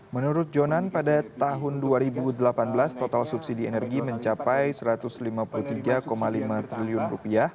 menurut jonan pada tahun dua ribu delapan belas total subsidi energi mencapai rp satu ratus lima puluh tiga lima triliun